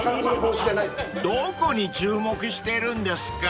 ［どこに注目してるんですか］